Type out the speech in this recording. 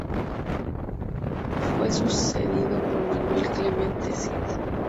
Fue sucedido por Manuel Clemente Cid.